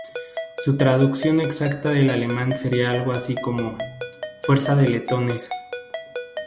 Su traducción exacta del Alemán seria algo así como "Fuerza de Letones".